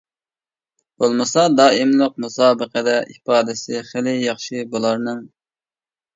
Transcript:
بولمىسا دائىملىق مۇسابىقىدە ئىپادىسى خېلى ياخشى بۇلارنىڭ.